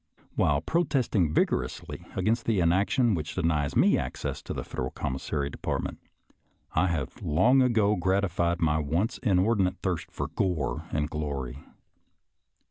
While protesting vigorously against the inaction which denies me access to the Federal commissary, de partment, I have long ago gratified my once in ordinate thirst for gore and glory.